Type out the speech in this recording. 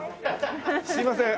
すいません。